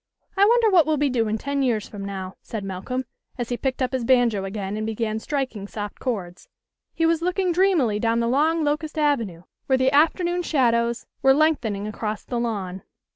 " I wonder what we'll be doing ten years from now," said Malcolm, as he picked up his banjo again and began striking soft chords. He was looking dreamily down the long locust avenue where the afternoon shadows were lengthening across the lawn.